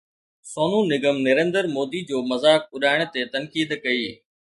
سونو نگم نريندر مودي جو مذاق اڏائڻ تي تنقيد ڪئي